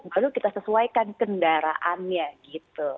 baru kita sesuaikan kendaraannya gitu